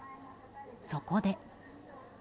そこで。